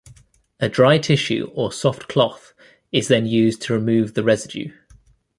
A dry tissue or soft cloth is then used to remove the residue.